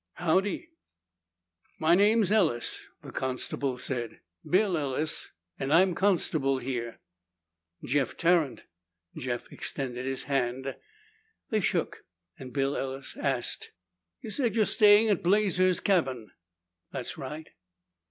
"Howdy." "My name's Ellis," the constable said. "Bill Ellis and I'm constable here." "Jeff Tarrant," Jeff extended his hand. They shook and Bill Ellis asked, "You said you're staying at Blazer's cabin?" "That's right."